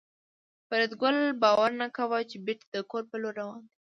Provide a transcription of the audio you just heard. فریدګل باور نه کاوه چې بېرته د کور په لور روان دی